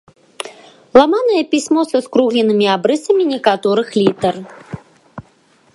Ламанае пісьмо са скругленымі абрысамі некаторых літар.